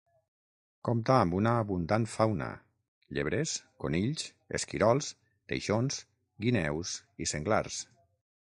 Compta amb una abundant fauna: llebres, conills, esquirols, teixons, guineus i senglars.